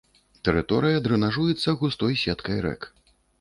Тэрыторыя дрэнажуецца густой сеткай рэк.